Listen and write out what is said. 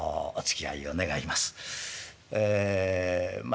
ええまあ